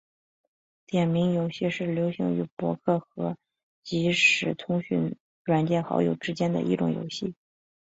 点名游戏是流行于博客和即时通讯软件好友之间的一种游戏。